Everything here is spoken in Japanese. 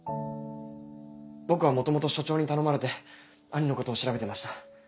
僕は元々署長に頼まれて兄のことを調べてました。